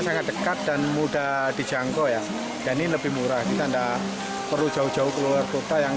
sangat dekat dan mudah dijangkau ya dan ini lebih murah kita enggak perlu jauh jauh keluar kota yang